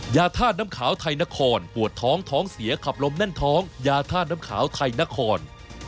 ยาธาตุน้ำขาวไทยนครปวดท้องท้องเสียขับลมแน่นท้องยาธาตุน้ำขาวไทยนคร